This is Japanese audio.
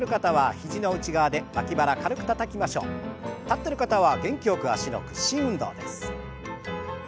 立ってる方は元気よく脚の屈伸運動です。